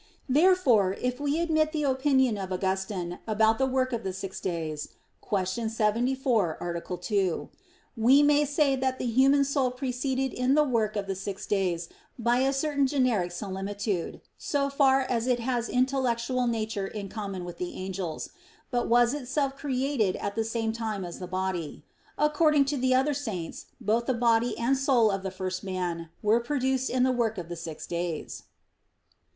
Therefore, if we admit the opinion of Augustine about the work of the six days (Q. 74, A. 2), we may say that the human soul preceded in the work of the six days by a certain generic similitude, so far as it has intellectual nature in common with the angels; but was itself created at the same time as the body. According to the other saints, both the body and soul of the first man were produced in the work of the six days.